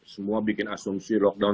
semua bikin asumsi lockdown